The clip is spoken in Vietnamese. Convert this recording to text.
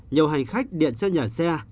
nhiều hành khách điện cho nhà xe